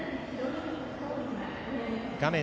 画面